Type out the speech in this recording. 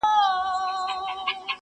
دوه جواله یې پر اوښ وه را بارکړي